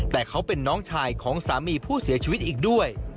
แต่เขาเป็นน้องชายของสามีผู้เสียชีวิตอีกด้วย